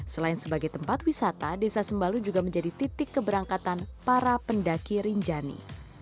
selain sebagai tempat wisata desa sembalu juga menjadi titik keberangkatan para pendaki rinjani